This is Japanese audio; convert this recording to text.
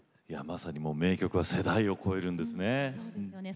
まさに名曲は世代を超えるんですね。